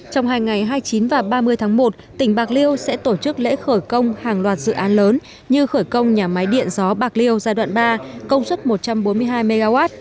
trong hai ngày hai mươi chín và ba mươi tháng một tỉnh bạc liêu sẽ tổ chức lễ khởi công hàng loạt dự án lớn như khởi công nhà máy điện gió bạc liêu giai đoạn ba công suất một trăm bốn mươi hai mw